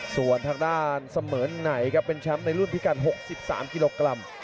ส่วนทางด้านเสมอไหนครับเป็นแชมป์ในรุ่นพิการ๖๓กิโลกรัม